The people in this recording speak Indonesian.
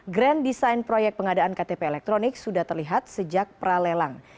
grand design proyek pengadaan ktp elektronik sudah terlihat sejak pralelang